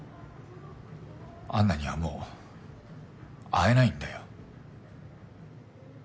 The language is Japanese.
安奈にはもう会えないんだよ。